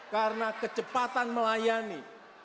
karena kecepatan melayani